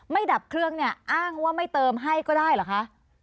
ดับเครื่องเนี่ยอ้างว่าไม่เติมให้ก็ได้เหรอคะ